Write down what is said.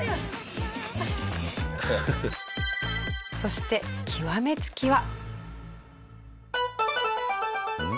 そして極め付きは。